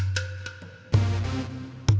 kita akan bersama langsung